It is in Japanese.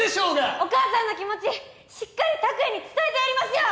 お母さんの気持ちしっかり拓也に伝えてやりますよ！